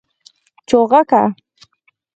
🐦 چوغکه